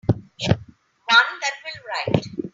One that will write.